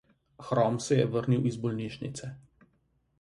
Hrom se je vrnil iz bolnišnice.